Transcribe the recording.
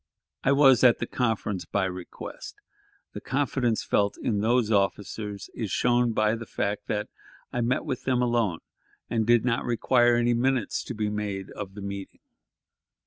I was at the conference by request; the confidence felt in those officers is shown by the fact that I met them alone, and did not require any minutes to be made of the meeting.